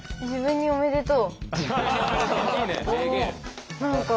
「自分におめでとう」